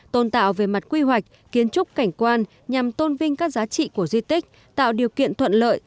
tôn tạo về mặt quy hoạch kiến trúc cảnh quan nhằm tôn vinh các giá trị của di tích tạo điều kiện thuận lợi